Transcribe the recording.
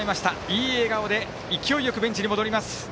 いい笑顔で勢いよくベンチに戻ります。